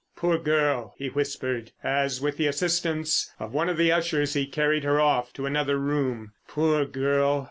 "Poor girl!" he whispered, as with the assistance of one of the ushers he carried her off to another room. "Poor girl!